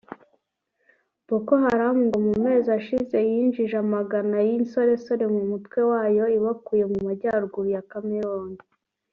Boko Haram ngo mu mezi ashize yinjije amagana y’insoresore mu mutwe wayo ibakuye mu majyaruguru ya Cameroun